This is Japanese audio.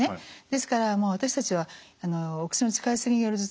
ですからもう私たちはお薬の使いすぎによる頭痛の患者さん